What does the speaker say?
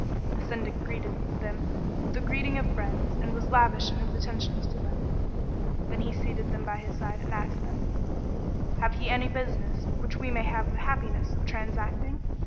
The Syndic greeted them with the greeting of friends and was lavish in his attentions to them: then he seated them by his side and asked them, "Have ye any business which we[FN#15] may have the happiness of transacting?"